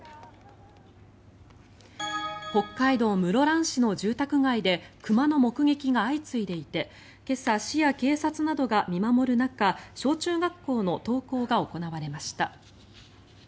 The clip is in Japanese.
北海道室蘭市の住宅街で熊の目撃が相次いでいて今朝、市や警察などが見守る中小中学校の登校が行われました。